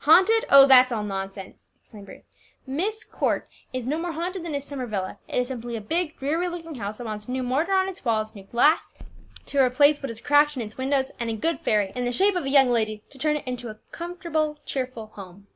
"Haunted! Oh, that's all nonsense!" exclaimed Bruce. "Myst Court is no more haunted than is Summer Villa; it is simply a big, dreary looking house that wants new mortar on its walls, new glass to replace what is cracked in its windows, and a good fairy, in the shape of a young lady, to turn it into a cheerful, comfortable home."